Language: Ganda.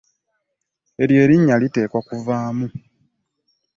Eryo erinnya liteekwa kuvaamu.